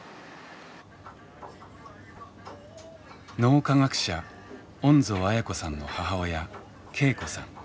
脳科学者恩蔵絢子さんの母親恵子さん